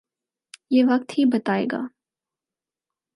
یہ وقت ہی بتائے گا۔